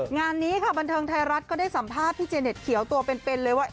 งานนี้ค่ะบันเทิงไทยรัฐก็ได้สัมภาษณ์พี่เจเน็ตเขียวตัวเป็นเลยว่า